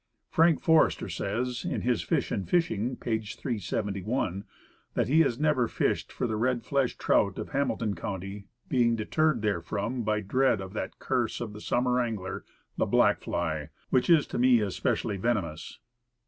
Frank Forester says, in his "Fish and Fishing," page 371, that he has never fished for the red fleshed trout of Hamilton county, "being deterred therefrom by dread of that curse of the summer angler, the black fly, which is to me especially venomous."